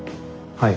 はい。